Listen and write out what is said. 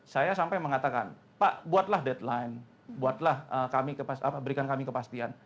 saya sampai mengatakan pak buatlah deadline buatlah kami berikan kami kepastian